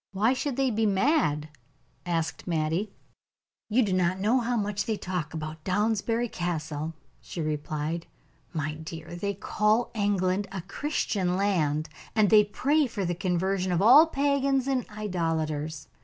"Why should they be mad?" asked Mattie. "You do not know how much they talk about Downsbury Castle," she replied. "My dear, they call England a Christian land, and they pray for the conversion of all pagans and idolaters.